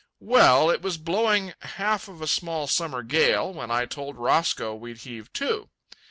Well, it was blowing half of a small summer gale, when I told Roscoe we'd heave to.